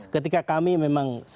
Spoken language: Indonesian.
ketika kami memang